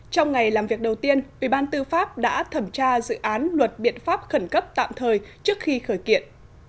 trong ngày làm việc đầu tiên ủy ban tư pháp đã thẩm tra dự án luật biện pháp khẩn cấp tạm thời trước khi khởi kiện